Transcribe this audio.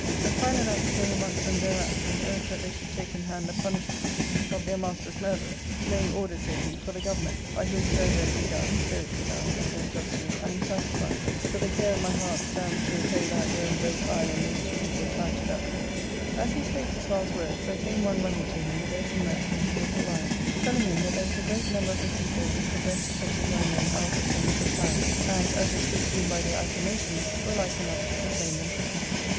But Philanax came amongst them thereat, and urged that they should take in hand the punishment of their master's ARCADIA. ^Book IV. 445 murtherers, "laying order, said he, "for the government ; by whomsoever it be done, so it be done, and done justly, I am satisfied. For the care of my heart stands to repay that vrherein both I and most of you were tied to that prince." As he spake his last words, there came one running to him with open mouth and fearful eyes, telling him that there was a great number of the people which were bent to take the young men out of Sympathus' hands, and, as it should seem by their acclamations, were like enough to proclaim them princes.